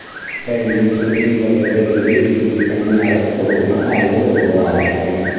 Egli non sentiva di avere il diritto di camminare attorno alle loro arche.